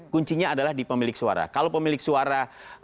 kuncinya adalah di pemilik suara kalau pemilik suara